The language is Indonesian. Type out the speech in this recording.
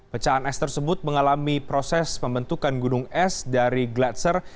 pecahan es tersebut mengalami proses pembentukan gunung es dari gladser